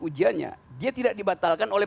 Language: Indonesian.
ujiannya dia tidak dibatalkan oleh